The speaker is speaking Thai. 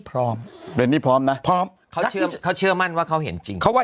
พร้อมเรนนี่พร้อมนะพร้อมเขาเชื่อเขาเชื่อมั่นว่าเขาเห็นจริงเขาว่า